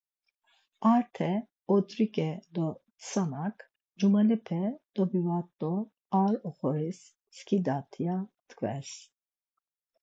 Arte ot̆riǩe do tsanak, Cumalepe dobivat do ar oxoris pskidat ya tkves.